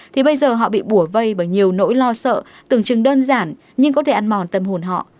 thì bây giờ họ bị bùa vây bởi nhiều nỗi lo sợ tưởng chừng đơn giản nhưng có thể ăn mòn tâm hồn họ